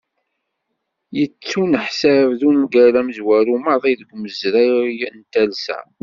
Yettuneḥsab d ungal amezwaru maḍi deg umezruy n talsa.